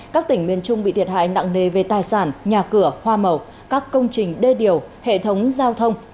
các tỉnh miền trung bị thiệt hại nặng nề về tài sản nhà cửa hoa màu các công trình đê điều hệ thống giao thông